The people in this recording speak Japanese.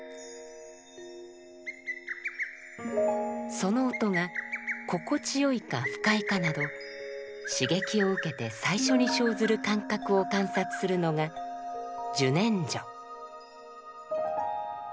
その音が心地よいか不快かなど刺激を受けて最初に生ずる感覚を観察するのが「受念処」。